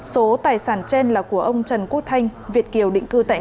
số tài sản trên là của ông trần quốc thanh việt kiều định cư tại